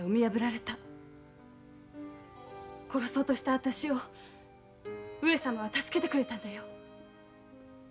殺そうとした私を上様は助けてくれたんだよ。